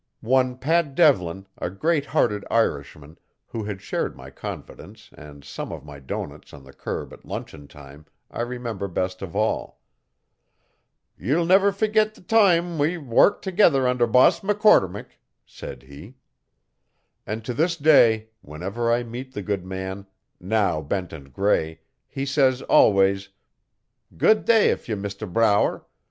One Pat Devlin, a great hearted Irishman, who had shared my confidence and some of my doughnuts on the curb at luncheon time, I remember best of all. 'Ye'll niver fergit the toime we wurruked together under Boss McCormick,' said he. And to this day, whenever I meet the good man, now bent and grey, he says always, 'Good day to ye, Mr Brower.